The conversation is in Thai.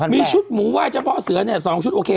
มีชุดหมูไห้เจ้าพ่อเสือ๒ชุดโอเค